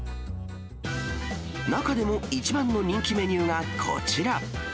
中でも一番の人気メニューがこちら。